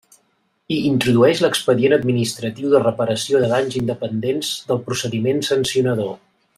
I introduïx l'expedient administratiu de reparació de danys independents del procediment sancionador.